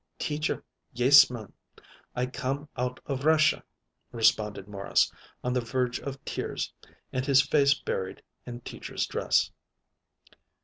"Teacher, yiss ma'an. I comes out of Russia," responded Morris, on the verge of tears and with his face buried in Teacher's dress.